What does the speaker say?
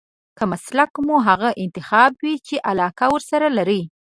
که مسلک مو هغه انتخاب وي چې علاقه ورسره لرئ.